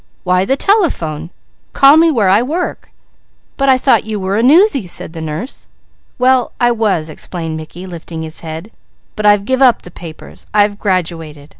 Why the telephone! Call me where I work!" "But I thought you were a 'newsy!'" said the nurse. "Well I was," explained Mickey lifting his head, "but I've give up the papers. I've graduated.